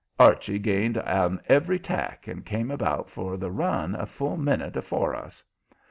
Archie gained on every tack and come about for the run a full minute afore us.